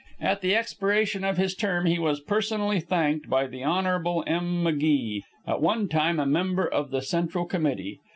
At the expiration of his term he was personally thanked by the Hon. M. McGee, at one time a member of the central committee.